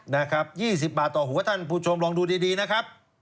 นะครับ๒๐บาทต่อหัวท่านผู้ชมลองดูดีนะครับ